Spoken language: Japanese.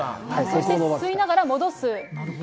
そして吸いながら戻す。